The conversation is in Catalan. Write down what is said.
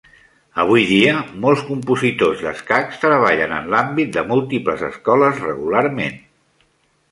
Avui dia, molts compositors d'escacs treballen en l'àmbit de múltiples escoles regularment.